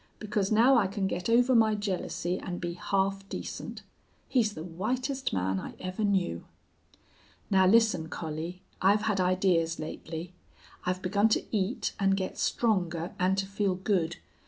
Because now I can get over my jealousy and be half decent. He's the whitest man I ever knew. "Now listen, Collie. I've had ideas lately. I've begun to eat and get stronger and to feel good.